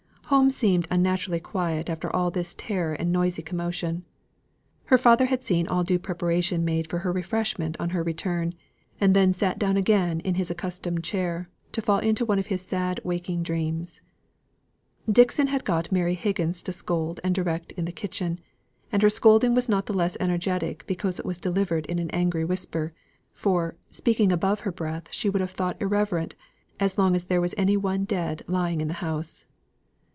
Home seemed unnaturally quiet after all this terror and noisy commotion. Her father had seen all due preparation made for her refreshment on her return; and then sate down again in his accustomed chair, to fall into one of his sad waking dreams. Dixon had got Mary Higgins to scold and direct in the kitchen; and her scolding was not the less energetic because it was delivered in an angry whisper; for, speaking above her breath she would have thought irreverent, as long as there was any one lying dead in the house.